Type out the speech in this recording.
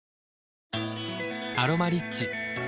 「アロマリッチ」